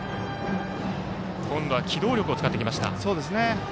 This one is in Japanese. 今度は機動力を使ってきました。